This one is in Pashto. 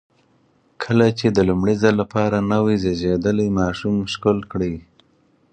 کله چې د لومړي ځل لپاره نوی زېږېدلی ماشوم ښکل کړئ.